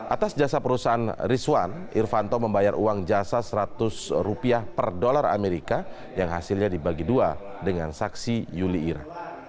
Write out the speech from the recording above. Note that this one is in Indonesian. atas jasa perusahaan rizwan irvanto membayar uang jasa seratus rupiah per dolar amerika yang hasilnya dibagi dua dengan saksi yuli ira